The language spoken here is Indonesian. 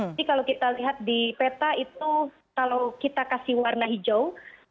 jadi kalau kita lihat di peta itu kalau kita kasih warna hijau